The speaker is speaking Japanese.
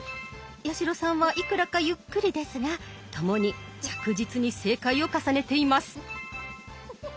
八代さんはいくらかゆっくりですが共に着実に正解を重ねています。